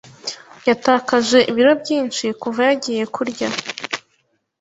Yatakaje ibiro byinshi kuva yagiye kurya